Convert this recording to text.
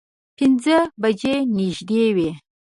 پینځه بجې نږدې وې.